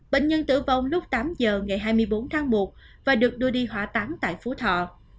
bệnh nhân tử vong lúc tám giờ ngày hai mươi bốn tháng một và được đưa đi hỏa táng tại phú thọ